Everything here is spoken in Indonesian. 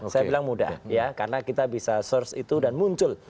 saya bilang mudah ya karena kita bisa search itu dan muncul